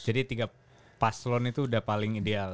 jadi tiga paslon itu udah paling ideal